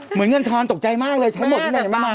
เหมือนเงินทอนตกใจมากเลยใช้หมดที่ไหนมาใหม่